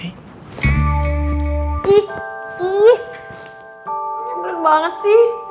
ih ini bener banget sih